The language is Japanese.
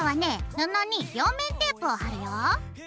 布に両面テープを貼るよ。